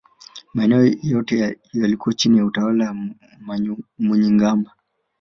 Maeneo yote yaliyokuwa chini ya utawala wa Munyigumba